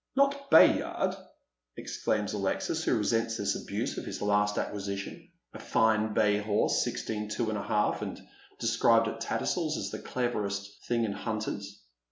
" Not Bayard ?" exclaims Alexis, who resents this abuse of hia last acquisition, a fine bay horse, sixteen two and a half, and described at Tattersall's as the cleverest thing in hunters.